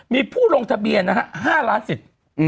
มีผู้ลงทะเบียนนะฮะ๕ล้านสิทธิ์